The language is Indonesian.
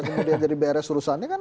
kemudian jadi beres urusannya kan